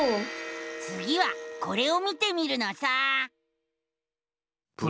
つぎはこれを見てみるのさ！